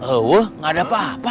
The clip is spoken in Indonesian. oh gak ada apa apa